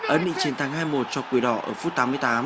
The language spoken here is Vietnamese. ấn định chiến thắng hai một cho cửa đỏ ở phút tám mươi tám